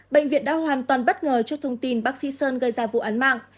bệnh viện đã hoàn toàn bất ngờ trước thông tin bác sĩ sơn gây ra vụ án mạng